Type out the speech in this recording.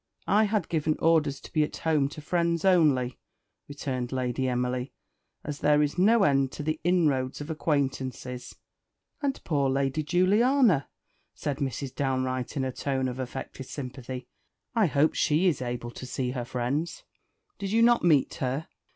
"I had given orders to be at home to friends only," returned Lady Emily, "as there is no end to the inroads of acquaintances." "And poor Lady Juliana," said Mrs. Downe Wright in a tone of affected sympathy, "I hope she is able to see her friends?" "Did you not meet her?"